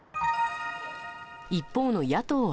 一方の野党は。